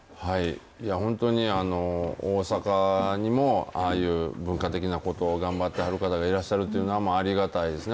いや本当に、大阪にもああいう文化的なことを頑張ってはる方がいらっしゃるというのはありがたいですね。